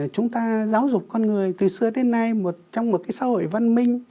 chúng ta giáo dục con người từ xưa đến nay một trong một cái xã hội văn minh